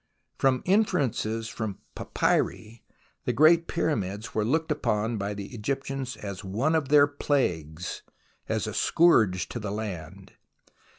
From inferences from papyri, the great Pyramids were looked upon by the Egyptians as one of their plagues, as a scourge to the land.